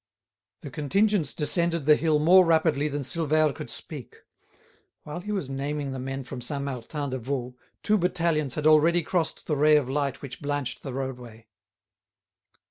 The contingents descended the hill more rapidly than Silvère could speak. While he was naming the men from Saint Martin de Vaulx, two battalions had already crossed the ray of light which blanched the roadway.